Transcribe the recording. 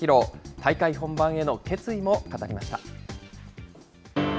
大会本番への決意も語りました。